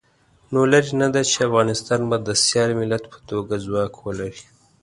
نو لرې نه ده چې افغانستان به د سیال ملت په توګه ځواک ولري.